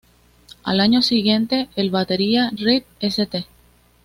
Al año siguiente, el batería Reed St.